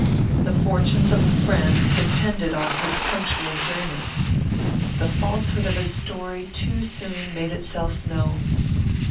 The fortunes of a friend depended on his punctual journey. The falsehood of his story too soon made itself known.